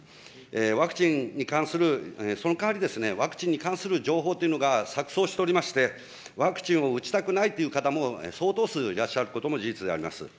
ワクチンに関する、その代わり、ワクチンに関する情報というのが錯綜しておりまして、ワクチンを打ちたくないという方も相当数いらっしゃることも事実であります。